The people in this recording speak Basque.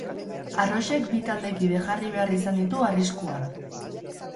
Arrosek bi taldekide jarri behar izan ditu arriskuan.